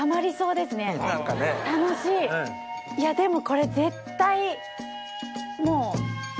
いやでもこれ絶対もう。